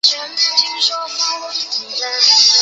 后来又担任左转骑都尉。